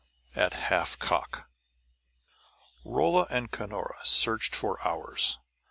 X AT HALF COCK Rolla and Cunora searched for hours.